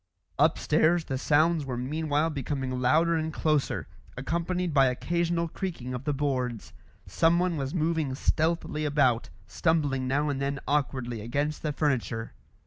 Upstairs, the sounds were meanwhile becoming louder and closer, accompanied by occasional creaking of the boards. Someone was moving stealthily about, stumbling now and then awkwardly against the furniture.